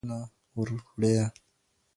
د ناوي کور ته جوړې او سوغاتونه وروړي